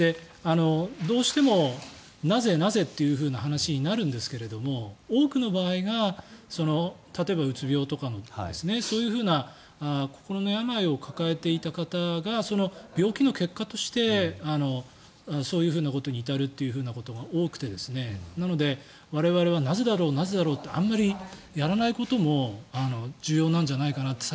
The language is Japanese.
どうしてもなぜ、なぜって話になるんですけれど多くの場合が例えばうつ病とかそういうふうな心の病を抱えていた方が病気の結果としてそういうことに至るということが多くてなので、我々はなぜだろう、なぜだろうってあんまりやらないことも重要なんじゃないかなって